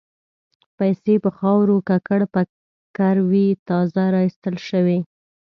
پیسې په خاورو ککړ پکر وې تازه را ایستل شوې.